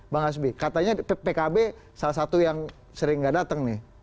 bang hasbi katanya pkb salah satu yang sering gak datang nih